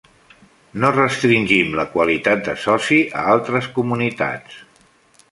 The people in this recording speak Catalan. No restringim la qualitat de soci a altres comunitats.